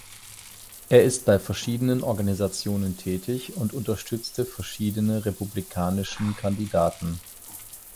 Er ist bei verschiedenen Organisationen tätig und unterstützte verschiedene republikanischen Kandidaten.